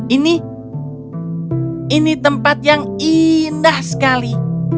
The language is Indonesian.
ini ini tempat yang indah sekali